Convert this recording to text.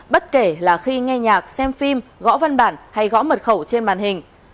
bất kể là khi nghe nhạc xem phim gõ văn bản hay gõ mật khẩu trên màn hình